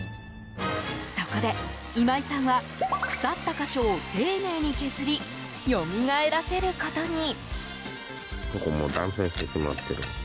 そこで、今井さんは腐った箇所を丁寧に削りよみがえらせることに。